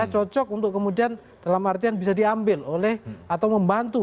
cocok untuk kemudian dalam artian bisa diambil oleh atau membantu